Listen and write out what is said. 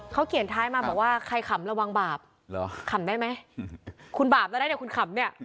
เขาเขียนท้ายมาบอกว่าใครขำระวังบาปขำได้ไหมคุณบาปแล้วนะเนี่ยคุณขำเนี่ย